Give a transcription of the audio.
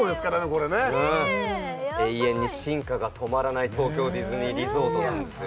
これね永遠に進化が止まらない東京ディズニーリゾートなんですよ